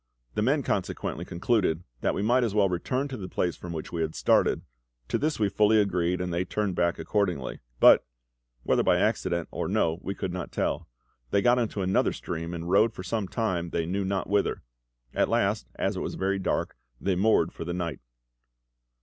The men consequently concluded that we might as well return to the place from which we had started; to this we fully agreed, and they turned back accordingly. But whether by accident or no we could not tell they got into another stream, and rowed for some time they knew not whither. At last, as it was very dark, they moored for the night.